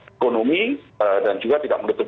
ekonomi dan juga tidak menutup